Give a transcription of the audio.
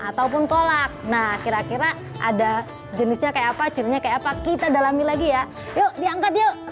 ataupun kolak nah kira kira ada jenisnya kayak apa cirinya kayak apa kita dalami lagi ya yuk diangkat yuk